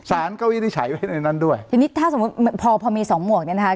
สารก็วินิจฉัยไว้ในนั้นด้วยทีนี้ถ้าสมมุติพอพอมีสองหมวกเนี่ยนะคะ